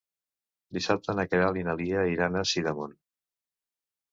Dissabte na Queralt i na Lia iran a Sidamon.